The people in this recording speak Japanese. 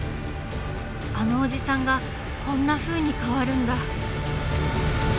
あのおじさんがこんなふうに変わるんだ。